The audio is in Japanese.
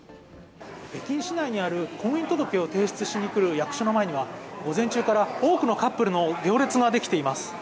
北京市内にある婚姻届を提出しに来る役所の前には午前中から多くのカップルの行列ができています。